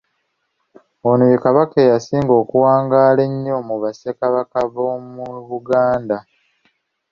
Ono ye Kabaka eyasinga okuwangaala ennyo mu Bassekabaka b'omu Buganda.